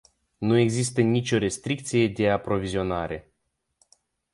Nu există nicio restricție de aprovizionare.